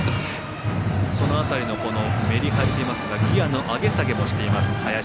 その辺りのメリハリといいますかギヤの上げ下げもしています、林。